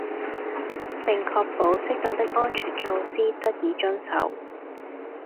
並確保適當的安全措施得以遵守